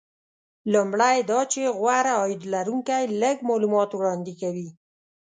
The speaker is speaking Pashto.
لومړی دا چې غوره عاید لرونکي لږ معلومات وړاندې کوي